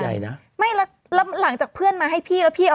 เดี๋ยวอันนี้ขออ้างหรือเปล่าปี่